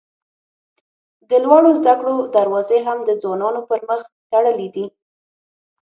د لوړو زده کړو دروازې هم د ځوانانو پر مخ تړلي دي.